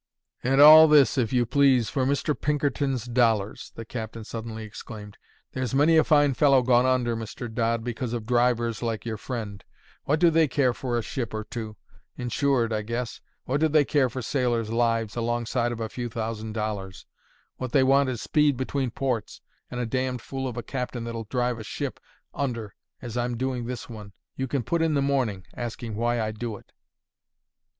"And all this, if you please, for Mr. Pinkerton's dollars!" the captain suddenly exclaimed. "There's many a fine fellow gone under, Mr. Dodd, because of drivers like your friend. What do they care for a ship or two? Insured, I guess. What do they care for sailors' lives alongside of a few thousand dollars? What they want is speed between ports, and a damned fool of a captain that'll drive a ship under as I'm doing this one. You can put in the morning, asking why I do it."